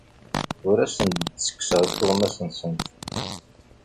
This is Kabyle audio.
Ur asent-d-ttekkseɣ tuɣmas-nsent.